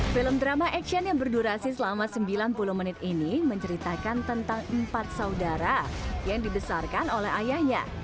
film drama action yang berdurasi selama sembilan puluh menit ini menceritakan tentang empat saudara yang dibesarkan oleh ayahnya